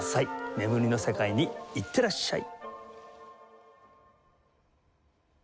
眠りの世界にいってらっしゃい。